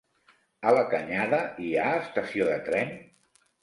A la Canyada hi ha estació de tren?